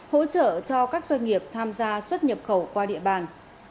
hỗ trợ cho các doanh nghiệp tham gia xuất nhập khẩu qua địa bàn